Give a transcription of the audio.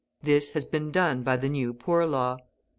This has been done by the New Poor Law.